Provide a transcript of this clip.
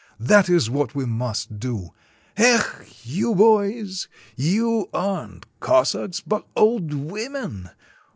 That is what we must do! Ekh! you boys! You are n't Cossacks, but old women!